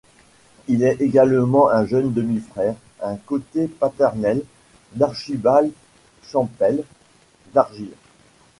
Il est également un jeune demi-frère, du côté paternel, d'Archibald Campbell, d'Argyll.